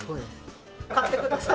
買ってください。